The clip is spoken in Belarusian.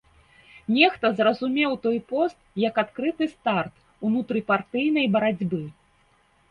Нехта зразумеў той пост як адкрыты старт унутрыпартыйнай барацьбы.